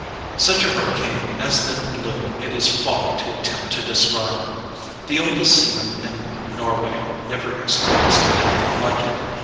"Such a hurricane as then blew it is folly to attempt to describe. The oldest seaman in Norway never experienced anything like it.